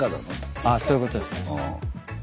ああそういうことですね。